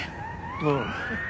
ああ。